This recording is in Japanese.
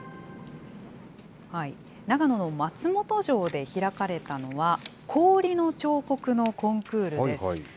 長野の松本城で開かれたのは、氷の彫刻のコンクールです。